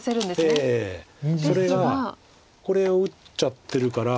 それがこれを打っちゃってるから。